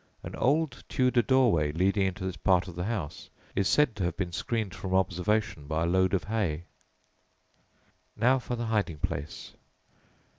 An old Tudor doorway leading into this part of the house is said to have been screened from observation by a load of hay. Now for the hiding place.